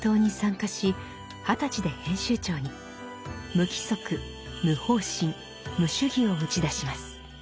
「無規則無方針無主義」を打ち出します。